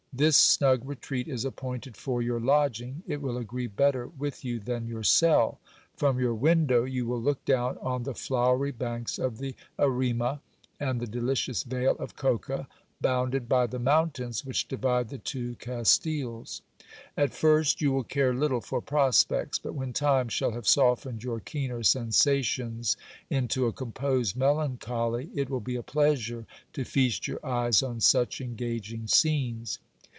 This snug retreat is appointed for your lodging ; it will agree better with you than your celL From your window you will look down on the flowery banks of the Erema, and the delicious vale of Coca, bounded by the mountains which divide the two Castiles. At first you will care little for prospects ; but when time shall have softened your keener sensations into a composed melancholy, it will be a pleasure to feast your eyes on such engaging scenes.